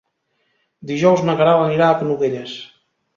Dijous na Queralt anirà a Canovelles.